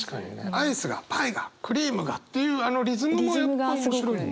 「アイスが、パイが、クリームが」っていうあのリズムも面白いんだ？